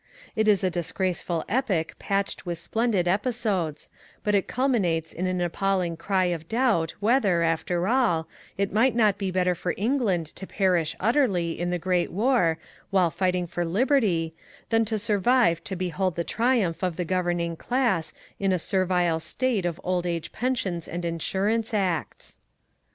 It is a disgraceful epic patched with splendid episodes, but it culminates in an appalling cry of doubt whether, after all, it might not be better for England to perish utterly in the great war while fighting for liberty than to survive to behold the triumph of the "governing class" in a servile State of old age pensions and Insurance Acts.